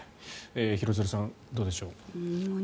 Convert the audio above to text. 廣津留さんどうでしょう。